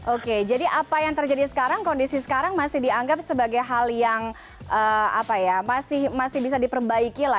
oke jadi apa yang terjadi sekarang kondisi sekarang masih dianggap sebagai hal yang masih bisa diperbaiki lah